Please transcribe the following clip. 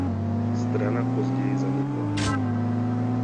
Strana později zanikla.